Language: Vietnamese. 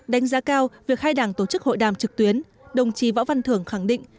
đánh giá cao việc hai đảng tổ chức hội đàm trực tuyến đồng chí võ văn thưởng khẳng định